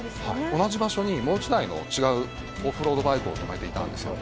同じ場所にもう１台の違うオフロードバイクを止めていたんですよ。